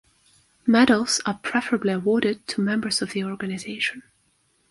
Medals are preferably awarded to members of the organization.